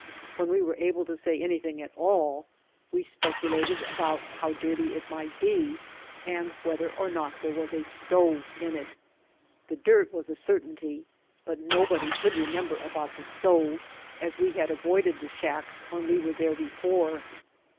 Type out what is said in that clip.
When we were able to say anything at all we speculated about how dirty it might be and whether or not there was a stove in it. The dirt was a certainty, but nobody could remem ber about the stove, as we had avoided the shack when we were there before.